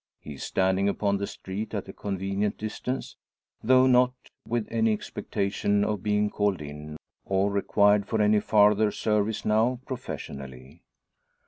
He is standing upon the street at a convenient distance; though not with any expectation of being called in, or required for any farther service now, professionally.